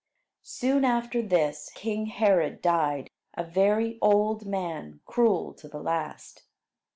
Soon after this king Herod died, a very old man, cruel to the last.